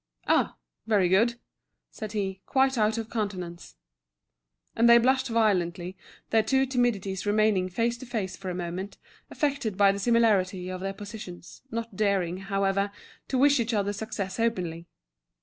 "Ah, very good," said he, quite out of countenance. And they blushed violently, their two timidities remaining face to face for a moment, affected by the similarity of their positions, not daring, however, to wish each other success openly.